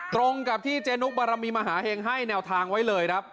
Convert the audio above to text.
๑๑๒๖๑ตรงกับที่เจนุ๊กบารมมีมหาเหงให้แนวทางไว้เลย